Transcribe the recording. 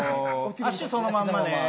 脚そのまんまね。